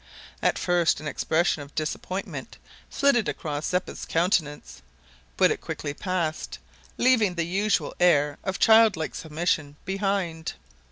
At first an expression of disappointment flitted across Zeppa's countenance, but it quickly passed, leaving the usual air of childlike submission behind.